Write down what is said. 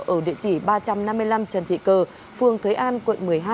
ở địa chỉ ba trăm năm mươi năm trần thị cờ phường thới an quận một mươi hai